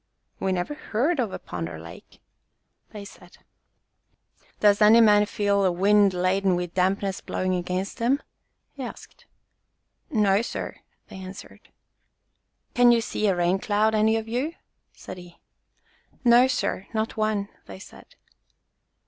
"We never heard of a pond or lake," they said. 4 49 JATAKA TALES "Does any man feel a wind laden with dampness blowing against him?" he asked. "No, sir," they answered. "Can you see a rain cloud, any of you ?" said he. "No, sir, not one," they said.